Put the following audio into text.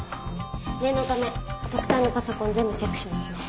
念のため特対のパソコン全部チェックしますね。